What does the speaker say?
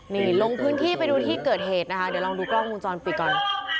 นี่ลงพื้นที่ไปดูที่เกิดเหตุนะคะเดี๋ยวลองดูกล้องวงจรปิดก่อน